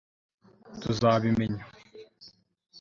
tuzabimenya